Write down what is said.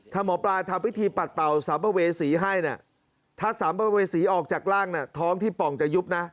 ถ้าหมอปลาทำพิธีปัดเป่าสัมภเวษีให้เนี่ยถ้าสัมภเวษีออกจากร่างท้องที่ป่องจะยุบนะ